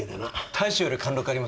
大将より貫禄ありますよね。